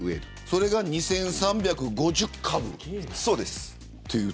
それが２３５０株です。